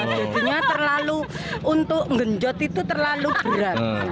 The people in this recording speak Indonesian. jadinya terlalu untuk ngenjot itu terlalu berat